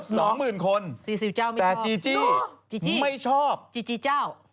โอ้โฮลด๒หมื่นคนแต่จีจี้ไม่ชอบจีจี้เจ้า